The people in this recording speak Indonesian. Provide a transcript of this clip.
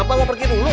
papa mau pergi dulu